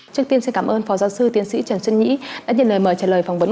trước tiên xin cảm ơn phó giáo sư tiến sĩ trần trân nhí đã nhận lời mời trả lời phỏng vấn